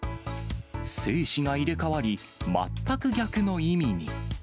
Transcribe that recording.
生死が入れ代わり、全く逆の意味に。